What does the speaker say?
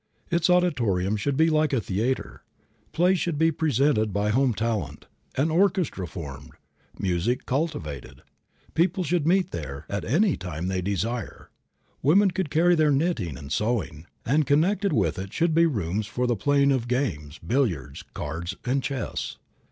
Its auditorium should be like a theatre. Plays should be presented by home talent; an orchestra formed, music cultivated. The people should meet there at any time they desire. The women could carry their knitting and sewing; and connected with it should be rooms for the playing of games, billiards, cards, and chess.